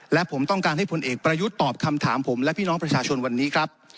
และผมต้องการให้ผลเอกประยุทธ์ตอบคำถามผมและพี่น้องประชาชนวันนี้ครับ